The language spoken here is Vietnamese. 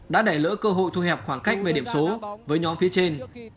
đã đẩy lỡ cơ hội thu hẹp khoảng cách về điểm số với nhóm phía trên